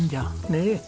ねえ。